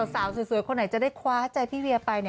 สาวสวยคนไหนจะได้คว้าใจพี่เวียไป